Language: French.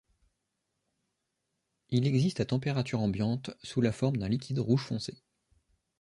Il existe à température ambiante sous la forme d'un liquide rouge foncé.